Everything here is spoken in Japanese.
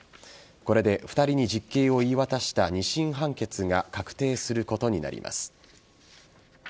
これで２人に実刑を言い渡した２審判決が確定することになります。